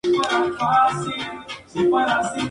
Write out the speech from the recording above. Villalba anotó un gol frente a River Plate de Argentina.